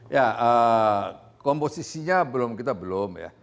ya komposisinya belum kita belum ya